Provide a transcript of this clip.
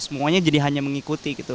semuanya jadi hanya mengikuti